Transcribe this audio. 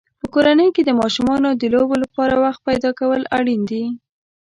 په کورنۍ کې د ماشومانو د لوبو لپاره وخت پیدا کول اړین دي.